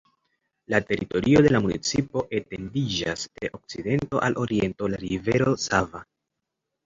La teritorio de la municipo etendiĝas de okcidento al oriento la rivero Sava.